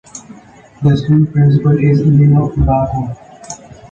The school principal is Lino Bracco.